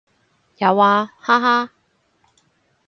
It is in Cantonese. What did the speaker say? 有啊，哈哈